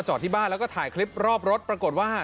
เห็นไม้